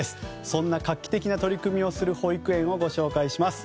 そんな画期的な取り組みをする保育園をご紹介します。